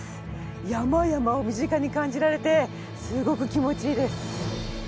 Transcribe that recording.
山々を身近に感じられてすごく気持ちいいです。